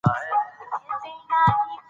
ستاسو د لا بریالیتوبونو په هیله!